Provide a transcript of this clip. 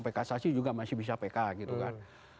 yang sudah bisa kasasi juga masih bisa pk gitu kan